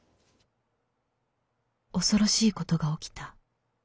恐ろしいことが起きた」。